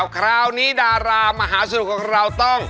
คราวนี้ดารามหาสนุกของเราต้อง